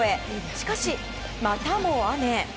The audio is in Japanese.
しかし、またも雨。